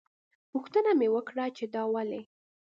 پوښتنه مې وکړه چې دا ولې.